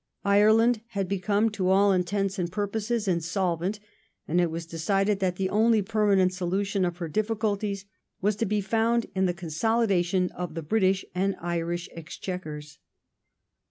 Ireland had become to all intents and purposes insolvent, and it was decided that the only permanent solution of her difficulties was to be found in the con yv solidation of the British and Irish Exchequers.